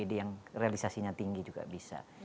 ide yang realisasinya tinggi juga bisa